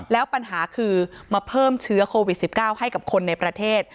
แล้วปัญหาคือมาเพิ่มเชื้อโควิด๑๙ให้กับคนในประเทศ